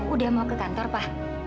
udah mau ke kantor pak